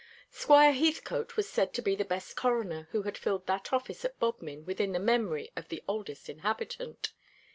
Squire Heathcote was said to be the best coroner who had filled that office at Bodmin within the memory of the oldest inhabitant.